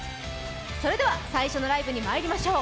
それでは最初のライブにまいりましょう。